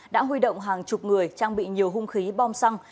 đã huy động hàng chục người trang bị nhiều hung khí bom xăng